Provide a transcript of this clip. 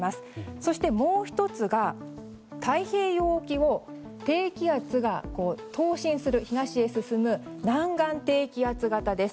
そして、もう１つが太平洋沖を低気圧が東へ進む南岸低気圧型です。